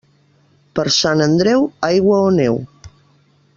Per Sant Andreu, aigua o neu.